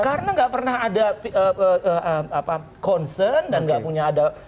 karena gak pernah ada concern dan gak punya ada